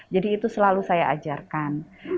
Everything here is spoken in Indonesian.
jadi itu selalu saya ajarkan